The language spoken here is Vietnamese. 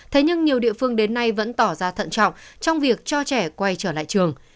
thế nhưng nhiều địa phương đến nay vẫn tỏ ra thận trọng trong việc cho trẻ quay trở lại trường